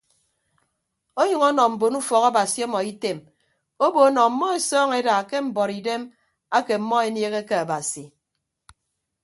Ọnyʌñ ọnọ mbon ufọk abasi ọmọ item obo nọ ọmmọ esọọñọ eda ke mbuọtidem ake ọmmọ eniehe ke abasi.